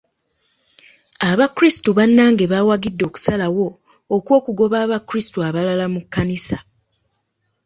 Abakrisitu bannange bawagidde okusalawo okw'okugoba abakrisitu abalala mu kkanisa.